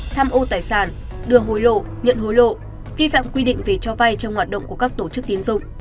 tham ô tài sản đưa hối lộ nhận hối lộ vi phạm quy định về cho vay trong hoạt động của các tổ chức tiến dụng